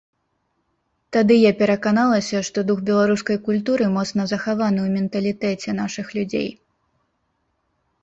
Тады я пераканалася, што дух беларускай культуры моцна захаваны ў менталітэце нашых людзей.